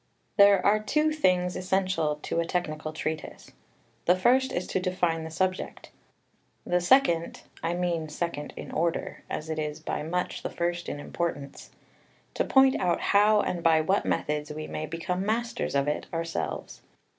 There are two things essential to a technical treatise: the first is to define the subject; the second (I mean second in order, as it is by much the first in importance) to point out how and by what methods we may become masters of it ourselves.